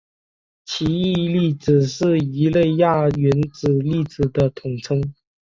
奇异粒子是一类亚原子粒子的统称。